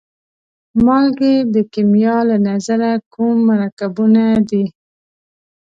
مالګې د کیمیا له نظره کوم مرکبونه دي؟